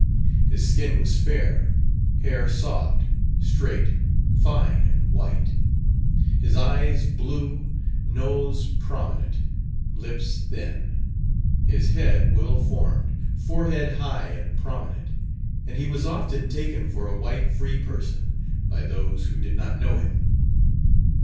His skin was fair, hair soft, straight, fine and white; his eyes blue, nose prominent, lips thin; his head well formed, forehead high and prominent; and he was often taken for a white free person, by those who did not know him.